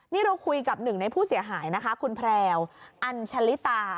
นี่เราคุยกับหนึ่งในผู้เสียหายนะคะคุณแพรวอัญชลิตา